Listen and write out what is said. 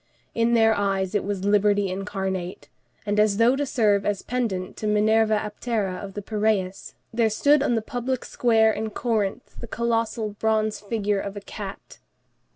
In their eyes it was liberty incarnate; and as though to serve as pendant to the Minerva Aptera of the Piræus, there stood on the public square in Corinth the colossal bronze figure of a cat.